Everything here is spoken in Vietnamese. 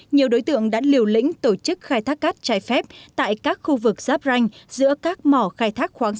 nhiều đối tượng đã liều lĩnh tổ chức khai thác cát trái phép tại các khu vực giáp ranh giữa các mỏ khai thác khoáng sản